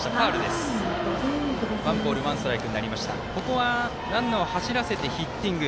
ここはランナーを走らせてヒッティング。